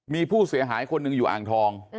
มีผู้เสียหายคนหนึ่งอยู่อ่างทอง